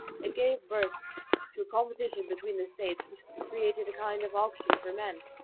It gave birth to a competition between the States which created a kind of auction for men.